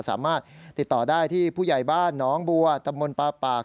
สามารถติดต่อได้ที่ผู้ใหญ่บ้านน้องบัวตำบลปาปาก